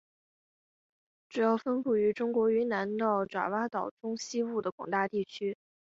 主要分布于中国云南到爪哇岛中西部的广大地区。